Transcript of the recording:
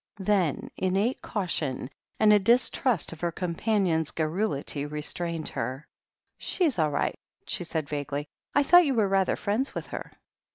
Then, innate cau tion and a distrust of her companion's garrulity re strained her. "She's all right," she said vaguely. "I thought you were rather friends with her?"